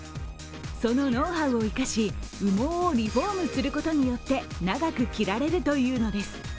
そのノウハウを生かし、羽毛をリフォームすることによって長く着られるというのです。